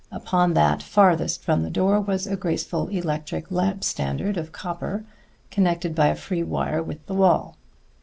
Upon that farthest from the door was a graceful electric lamp standard of copper connected by a free wire with the wall.